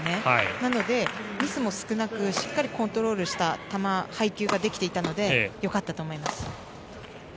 なのでミスも少なくしっかりコントロールした球配球ができていたのでよかったと思います。